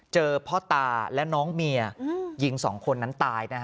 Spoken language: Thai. เจอพ่อตาและน้องเมียยิง๒คนนั้นตาย